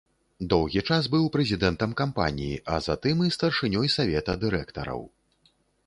Доўгі час быў прэзідэнтам кампаніі, а затым і старшынёй савета дырэктараў.